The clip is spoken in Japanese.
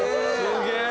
すげえ。